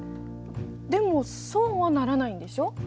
でもそうはならないんでしょ？